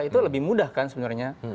itu lebih mudah kan sebenarnya